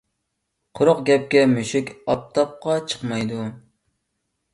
قۇرۇق گەپكە مۈشۈك ئاپتاپقا چىقمايدۇ.